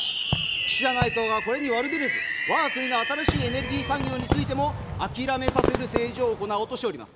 岸田内閣はこれに悪びれず、わが国の新しいエネルギー産業についても、諦めさせる政治を行おうとしております。